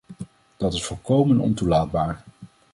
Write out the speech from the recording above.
Dat is volkomen ontoelaatbaar.